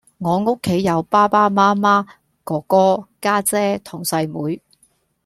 我屋企有爸爸媽媽，哥哥，家姐同細妹